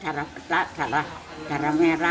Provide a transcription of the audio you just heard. darah itu darah berat darah merah